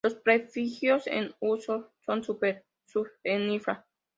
Los prefijos en uso son super-, sub- e infra-.